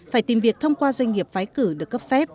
phải tìm việc thông qua doanh nghiệp phái cử được cấp phép